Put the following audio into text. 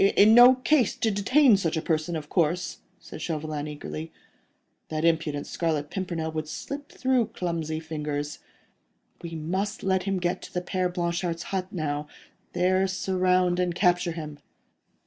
"In no case to detain such a person, of course," said Chauvelin, eagerly. "That impudent Scarlet Pimpernel would slip through clumsy fingers. We must let him get to the Père Blanchard's hut now; there surround and capture him."